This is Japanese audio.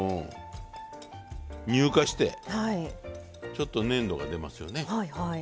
乳化してちょっと粘度が出ますよね。